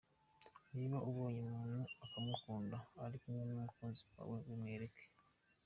,niba ubonye umuntu ukamukunda uri kumwe n’umukunzi wawe wibimwereka.